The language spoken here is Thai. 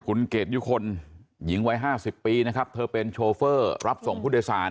คุณเกดยุคนหญิงวัยห้าสิบปีนะครับเธอเป็นโชเฟอร์รับส่งพุทธศาล